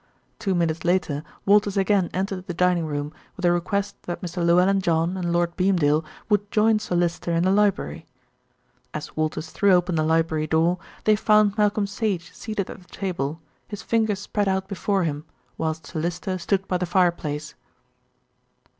Two minutes later Walters again entered the dining room, with a request that Mr. Llewellyn John and Lord Beamdale would join Sir Lyster in the library. As Walters threw open the library door, they found Malcolm Sage seated at the table, his fingers spread out before him, whilst Sir Lyster stood by the fireplace.